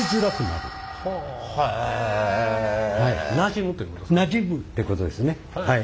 なじむってことですね。